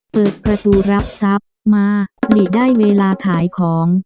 เปิดประตูรับทรัพย์มาหลีได้เวลาขายของ